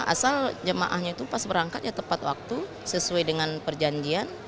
asal jemaahnya itu pas berangkat ya tepat waktu sesuai dengan perjanjian